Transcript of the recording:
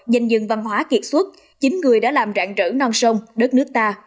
danh dừng văn hóa kiệt xuất chính người đã làm rạn rỡ non sông đất nước ta